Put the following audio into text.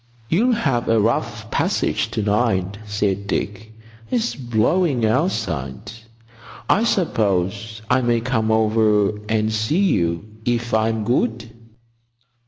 "You'll have a rough passage to night," said Dick. "It's blowing outside. I suppose I may come over and see you if I'm good?"